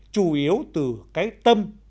chủ yếu từ cái tâm